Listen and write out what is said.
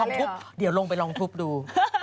ต้องลองทุบเดี๋ยวลงไปลองทุบดู